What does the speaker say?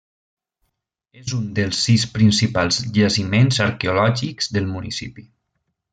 És un dels sis principals jaciments arqueològics del municipi.